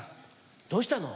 どうしたの？